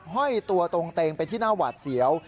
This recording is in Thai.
ห้อยตัวตรงเตงไปที่หน้าหวาดเสียว